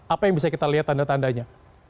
apa yang bisa kita lihat tanda tandanya